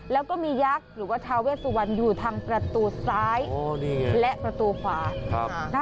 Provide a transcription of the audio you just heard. แล้วก็มียักษ์หรือว่าทาเวสวรรณอยู่ทางประตูซ้ายและประตูขวา